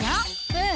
うん！